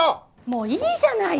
もういいじゃない。